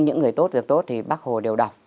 những người tốt việc tốt thì bác hồ đều đọc